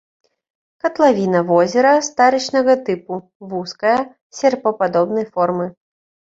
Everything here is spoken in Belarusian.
Катлавіна возера старычнага тыпу, вузкая, серпападобнай формы.